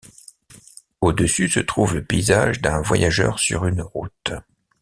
Au-dessus se trouve le paysage d'un voyageur sur une route.